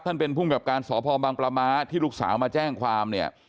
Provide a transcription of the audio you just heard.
ท่านเป็นผู้แบบการสพบางประมาที่ลูกสาวมาแจ้งความเนี่ย